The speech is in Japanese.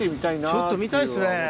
ちょっと見たいですね